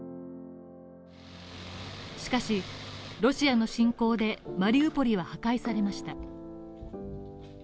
しかし、ロシアの侵攻で、マリウポリは破壊されました。